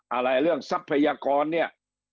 อะไรเรื่องทรัพยากรเนี่ย